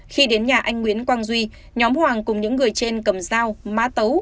khi đến nhà anh nguyễn quang duy nhóm hoàng cùng những người trên cầm dao mã tấu